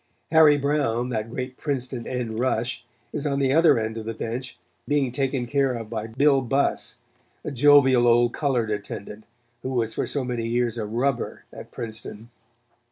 Harry Brown, that great Princeton end rush, is on the other end of the bench, being taken care of by Bill Buss, a jovial old colored attendant, who was for so many years a rubber at Princeton.